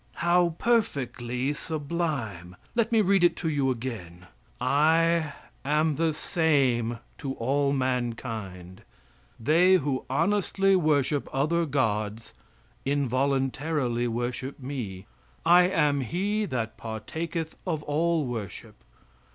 How perfectly sublime! Let me read it to you again: "I am the same to all mankind. They who honestly worship other gods involuntarily worship me. I am he that partaketh of all worship.